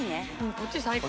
こっち最高。